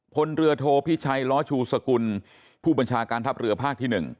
พลเรือโทพิชัยล้อชูสกุลผู้บัญชาการทัพเรือภาคที่๑